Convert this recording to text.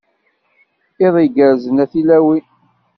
Iḍ igerrzen a tilawin.